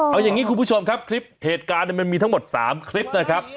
เอาอย่างนี้คุณผู้ชมครับคลิปเหตุการณ์มันมีทั้งหมด๓คลิปนะครับ